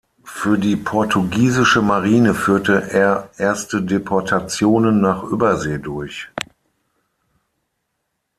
Für die portugiesische Marine führte er erste Deportationen nach Übersee durch.